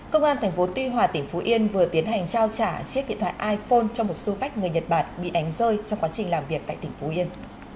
công an tp tuy hòa tp yên vừa tiến hành trao trả chiếc điện thoại iphone cho một su vách người nhật bản bị đánh rơi trong quá trình làm việc tại tp yên